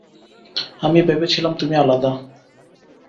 আমি ভেবেছিলাম তুমি আলাদা।